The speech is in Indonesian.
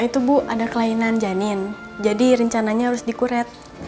oh itu bu ada kelainan janin jadi rencananya harus dikuret